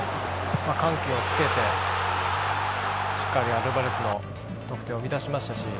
緩急をつけてしっかりアルバレスの得点を生み出しましたし。